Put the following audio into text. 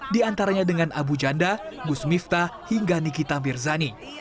diantaranya dengan abu janda gus miftah hingga nikita mirzani